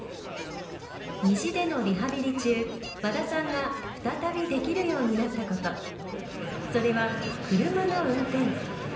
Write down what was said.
にじでのリハビリ中和田さんが再びできるようになったことそれは車の運転。